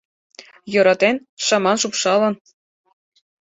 Йӧратен, шыман шупшалын